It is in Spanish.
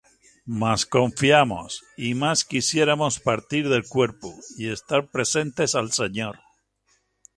Mas confiamos, y más quisiéramos partir del cuerpo, y estar presentes al Señor.